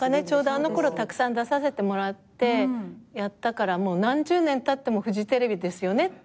ちょうどあのころたくさん出させてもらってやったからもう何十年たってもフジテレビですよね？